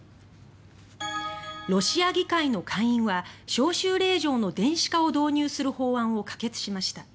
ロシア議会の下院は招集令状の電子化を導入する法案を可決しました。